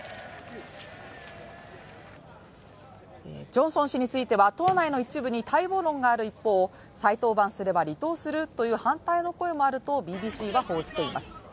ジョンソン氏については党内の一部に待望論がある一方、再登板すれば離党するという反対の声もあるとＢＢＣは報じています。